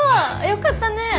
よかったねえ。